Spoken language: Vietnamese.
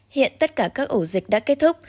hiện tất cả các ổ dịch đã kết thúc